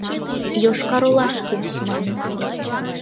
— «Йошкар-Олашке, — маныт.